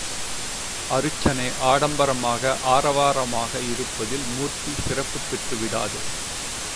அருச்சனை ஆடம்பரமாக ஆரவாரமாக இருப்பதில் மூர்த்தி சிறப்புப்பெற்று விடாது.